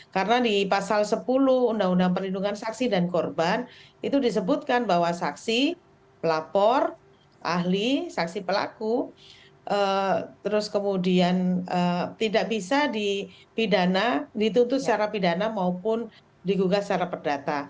karena di pasal sepuluh undang undang perlindungan saksi dan korban itu disebutkan bahwa saksi lapor ahli saksi pelaku terus kemudian tidak bisa dipidana ditutup secara pidana maupun digugah secara perdata